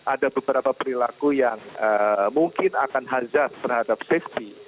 ada beberapa perilaku yang mungkin akan harjas terhadap safety